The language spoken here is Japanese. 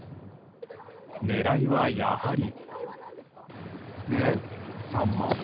狙いは、やはり。